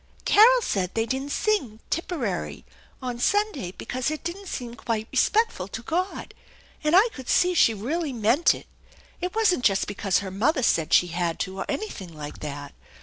Carol said they didn't sing ' Tipperary ' on Sunday because it didn't seem quite respectful to God, and I could see she really meant it. It wasn't just because her mother said she had to or anything like that.